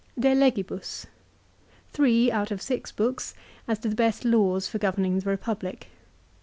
J De Legibus Three out of six books as to the best laws for governing the Republic.